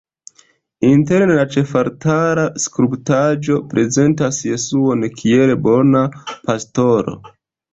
Interne la ĉefaltara skulptaĵo prezentas Jesuon kiel Bona Pastoro.